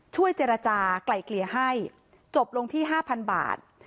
ช่วยเจรจาไกล่เกลียให้จบลงที่ห้าพันบาท